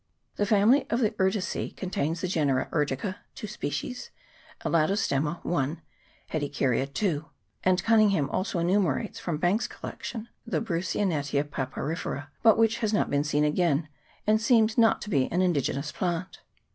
The family of the Urticece contains the genera Urtica (2 species), Elatostema (1), Hedycaria (2) ; and Cunning ham also enumerates, from Banks's collection, the Brous sonetia papyrifera, but which has not been seen again, and seems not to be an indigenous plant.